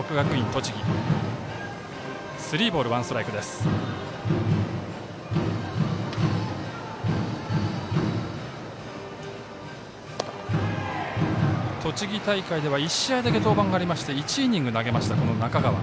栃木大会では１試合だけ登板がありまして１イニング投げました、中川。